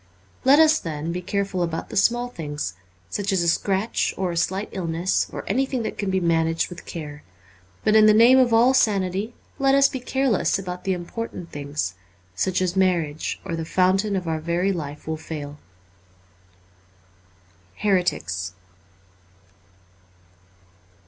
Let us, then, be careful about the small things, such as a scratch or a slight illness, or anything that can be managed with care. But in the name of all sanity, let us be careless about the important things, such as marriage, or the fountain of our very life will fail. ' Heretics.'